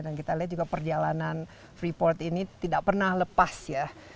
dan kita lihat juga perjalanan fripot ini tidak pernah lepas ya